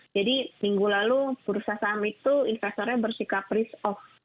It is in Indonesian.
minggu lalu bursa saham itu investornya bersikap risk off